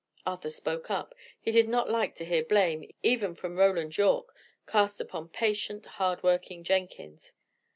Arthur spoke up: he did not like to hear blame, even from Roland Yorke, cast upon patient, hard working Jenkins.